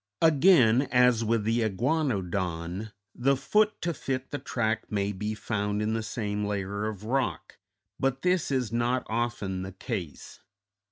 Again, as with the iguanodon, the foot to fit the track may be found in the same layer of rock, but this is not often the case.